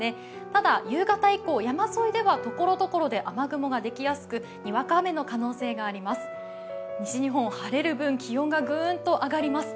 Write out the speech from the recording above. ただ夕方以降、山沿いではところどころ、雲が出やすくにわか雨の可能性があります。